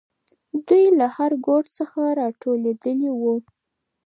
دوی له هر ګوټ څخه راټولېدلې وو.